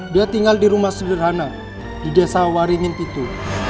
dia tinggal di rumah sederhana di desa waringin itu